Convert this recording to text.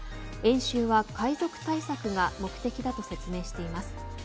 演習は、海賊対策が目的だと説明しています。